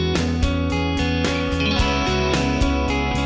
yang terdiri zienime com